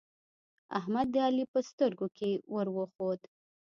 احمد د علی په سترګو کې ور وخوت